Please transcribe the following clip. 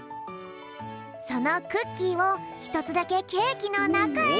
そのクッキーをひとつだけケーキのなかへ！